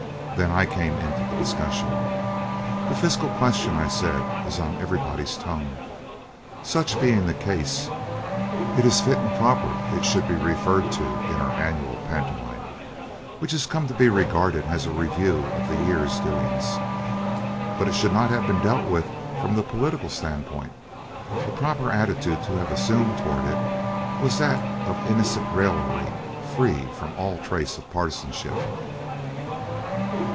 Then I came into the discussion. "'The Fiscal question,' I said, 'is on everybody's tongue. Such being the case, it is fit and proper it should be referred to in our annual pantomime, which has come to be regarded as a review of the year's doings. But it should not have been dealt with from the political standpoint. The proper attitude to have assumed towards it was that of innocent raillery, free from all trace of partisanship.